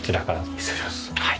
失礼します。